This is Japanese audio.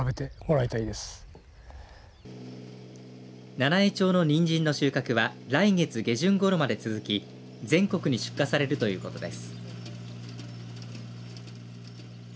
七飯町のにんじんの収穫は来月下旬ごろまで続き全国に出荷されるということです。